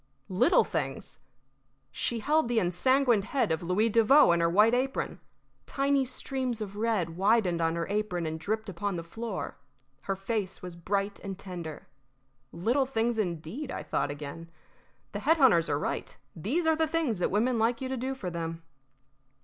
Little things! She held the ensanguined head of Louis Devoe in her white apron. Tiny streams of red widened on her apron and dripped upon the floor. Her face was bright and tender. "Little things, indeed!" I thought again. "The head hunters are right. These are the things that women like you to do for them."